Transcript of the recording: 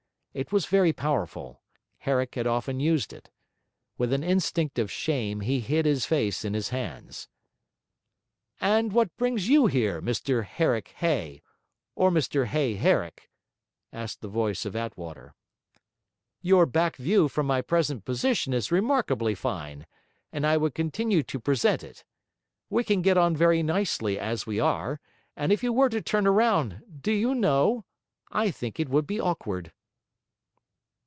It was very powerful; Herrick had often used it. With an instinct of shame, he hid his face in his hands. 'And what brings you here, Mr Herrick Hay, or Mr Hay Herrick?' asked the voice of Attwater. 'Your back view from my present position is remarkably fine, and I would continue to present it. We can get on very nicely as we are, and if you were to turn round, do you know? I think it would be awkward.'